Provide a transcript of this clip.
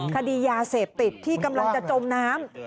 คดียาเสพติดที่กำลังจะจมน้ำ